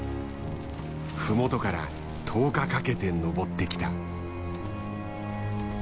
麓から１０日かけて登ってきた。